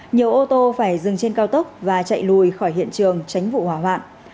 nhiều ô tô phải dừng trên cao tốc và chạy lùi khỏi hiện trường tránh vụ hỏa hoạn